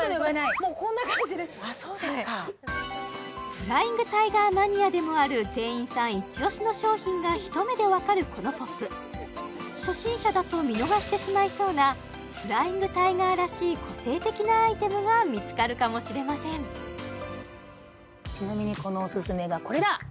フライングタイガーマニアでもある店員さんイチオシの商品が一目でわかるこのＰＯＰ初心者だと見逃してしまいそうなフライングタイガーらしい個性的なアイテムが見つかるかもしれませんちなみにこのおすすめがこれだ！